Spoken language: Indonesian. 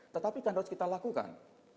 tetapi dan harus kita lakukan